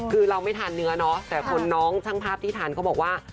คือเราไม่ทานเนื้อเนาะแต่คนน้องช่างภาพที่ทานเขาบอกว่า